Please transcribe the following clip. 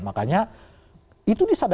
makanya itu disatukan